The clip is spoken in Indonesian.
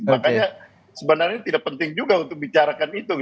makanya sebenarnya tidak penting juga untuk bicarakan itu